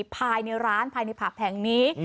ภายในร้านภายในผับแห่งนี้